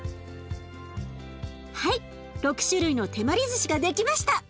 はい６種類の手まりずしが出来ました。